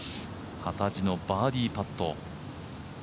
幡地のバーディーパット。